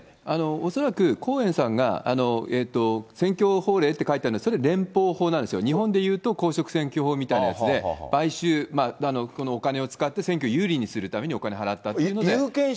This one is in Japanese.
恐らく、コーエンさんが選挙法令って書いてあるのは、それ、連邦法なんですよ、日本で言うと公職選挙法みたいなやつで、買収、このお金を使って、選挙を有利にするために、お金払ったっていって。